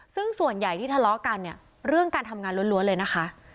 ซึ่งส่วนใหญ่ที่ทะเลาะกันเนี่ยเรื่องการทำงานล้วนเลยนะคะ